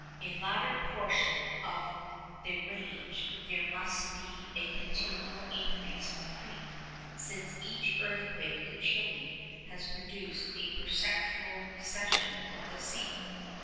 In the latter portion of the range there must be a continual increase of height, since each earthquake in Chili has produced a perceptible recession of the sea.